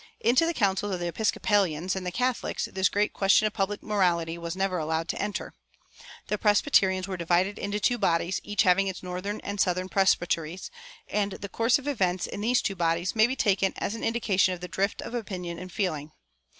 Into the councils of the Episcopalians and the Catholics this great question of public morality was never allowed to enter. The Presbyterians were divided into two bodies, each having its northern and its southern presbyteries; and the course of events in these two bodies may be taken as an indication of the drift of opinion and feeling.